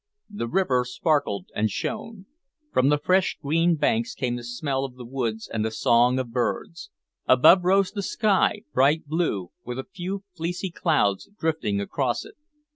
The river sparkled and shone; from the fresh green banks came the smell of the woods and the song of birds; above rose the sky, bright blue, with a few fleecy clouds drifting across it.